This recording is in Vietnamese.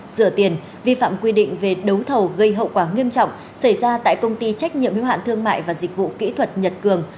sửa tiền vi phạm quy định về đấu thầu gây hậu quả nghiêm trọng xảy ra tại công ty trách nhiệm hiếu hạn thương mại và dịch vụ kỹ thuật nhật cường